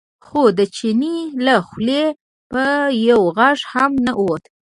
خو د چیني له خولې به یو غږ هم نه ووت.